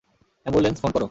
Ambulance phone করো।